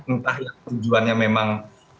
entah tujuannya memang